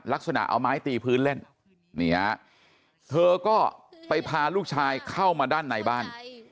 ลักษณะเอาไม้ตีพื้นเล่นนี่ฮะเธอก็ไปพาลูกชายเข้ามาด้านในบ้าน